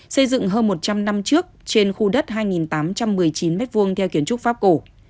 xây dựng hơn một trăm linh năm trước trên khu đất hai tám trăm một mươi chín m hai theo kiến trúc pháp cổ